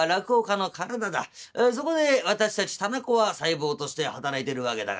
そこで私たち店子は細胞として働いてるわけだがな